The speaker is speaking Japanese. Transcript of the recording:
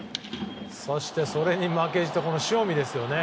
そして、それに負けじと塩見ですよね。